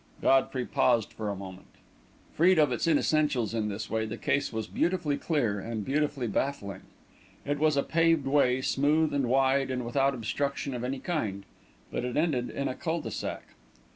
Godfrey paused for a moment. Freed of its inessentials, in this way, the case was beautifully clear and beautifully baffling. It was a paved way, smooth and wide and without obstruction of any kind; but it ended in a cul de sac!